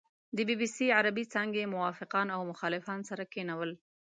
د بي بي سي عربې څانګې موافقان او مخالفان سره کېنول.